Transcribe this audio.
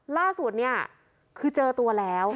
ล่าส่วนนี้คือเจอตัวแล้ว